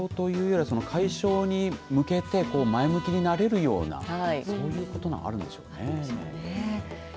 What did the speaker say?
解消というよりは解消に向けて前向きになれるようなそういうことがあるんでしょうね。